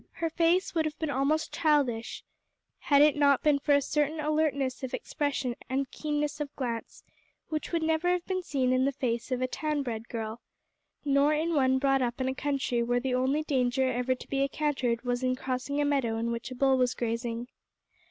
Her face would have been almost childish had it not been for a certain alertness of expression and keenness of glance which would never have been seen in the face of a town bred girl, nor in one brought up in a country where the only danger ever to be encountered was in crossing a meadow in which a bull was grazing.